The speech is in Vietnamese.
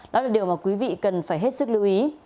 đó là điều mà quý vị cần phải hết sức lưu ý